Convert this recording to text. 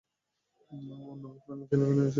অন্য ভাই Frank Gilligan এসেক্সের পক্ষে খেলেছেন।